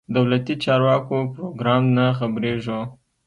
دولتي چارواکو پروګرام نه خبرېږو.